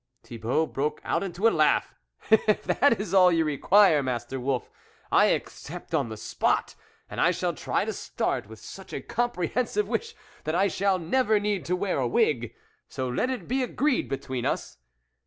Thibault broke into a laugh :" If that is all you require, Master Wolf, I accept on the spot ; and I shall try to start with such a comprehensive wish, that I shall never need to wear a wig. So let it be agreed between us